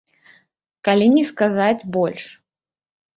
Калі не сказаць больш.